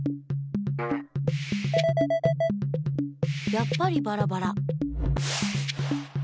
やっぱりバラバラ。